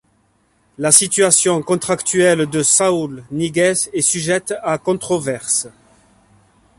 La situation contractuelle de Saúl Ñíguez est sujette à controverse.